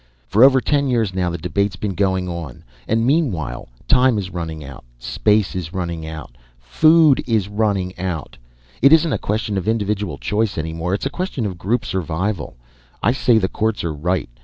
For over ten years now the debate's been going on. And meanwhile, time is running out. Space is running out. Food is running out. It isn't a question of individual choice any longer it's a question of group survival. I say the Courts are right.